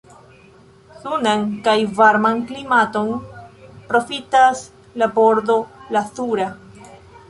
Sunan kaj varman klimaton profitas la Bordo Lazura.